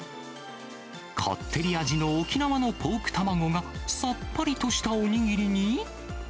こってり味の沖縄のポーク卵がさっぱりとしたお握りに？